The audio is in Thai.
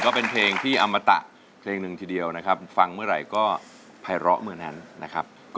ก็เป็นเพลงที่เอามาทำได้นะครับ